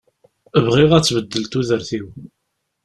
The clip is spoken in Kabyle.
Bɣiɣ ad tbeddel tudert-iw.